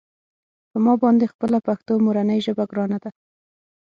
په ما باندې خپله پښتو مورنۍ ژبه ګرانه ده.